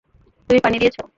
তুমি পানি দিয়েছ।